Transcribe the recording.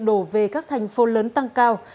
đổ về các thành phố lớn tăng cao